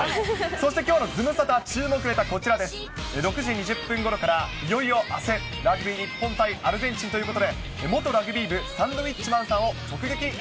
そして、ズムサタ注目は６時２０分ごろから、いよいよあす、ラグビー日本対アルゼンチンということで、元ラグビー部、サンドウィッチマンさんが。